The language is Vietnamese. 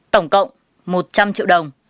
tổng cộng một trăm linh triệu đồng